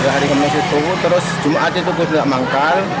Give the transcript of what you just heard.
hari kemes itu terus jumat itu juga manggal